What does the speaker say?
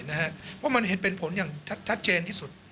เพราะมันเห็นเป็นผลอย่างชัดเจนที่สุด